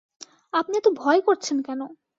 আপনি এত ভয় করছেন কেন।